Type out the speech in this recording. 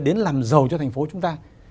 đến làm giàu cho thành phố chúng ta